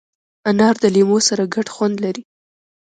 انار د لیمو سره ګډ خوند لري.